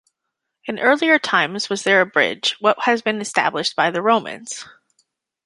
In earlier times was there a bridge, what has been established by the Romans.